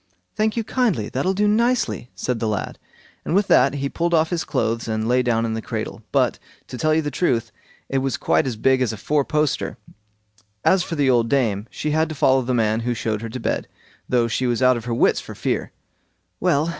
"Thank you kindly, that'll do nicely", said the lad; and with that he pulled off his clothes and lay down in the cradle; but, to tell you the truth; it was quite as big as a four poster. As for the old dame, she had to follow the man who showed her to bed, though she was out of her wits for fear. "Well!"